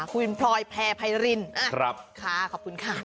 คุณพลอยแพพายรินขอบคุณค่ะ